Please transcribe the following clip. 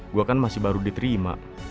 gue kan masih baru diterima